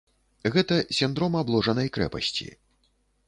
Гэта сіндром абложанай крэпасці.